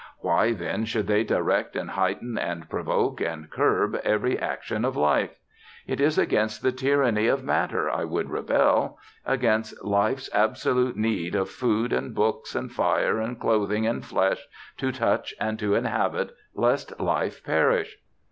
Why, then, should they direct and heighten and provoke and curb every action of life? It is against the tyranny of matter I would rebel against life's absolute need of food, and books, and fire, and clothing, and flesh, to touch and to inhabit, lest life perish....